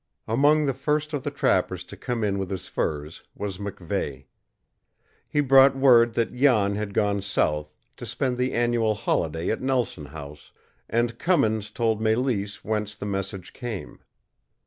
Among the first of the trappers to come in with his furs was MacVeigh. He brought word that Jan had gone south, to spend the annual holiday at Nelson House, and Cummings told Mélisse whence the message came.